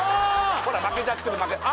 ほら負けちゃってるあ！